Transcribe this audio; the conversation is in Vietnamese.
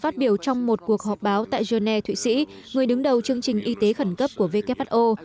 phát biểu trong một cuộc họp báo tại genet thụy sĩ người đứng đầu chương trình y tế khẩn cấp của who